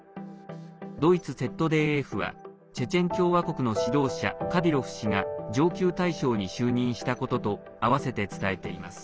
ドイツＺＤＦはチェチェン共和国の指導者カディロフ氏が上級大将に就任したこととあわせて伝えています。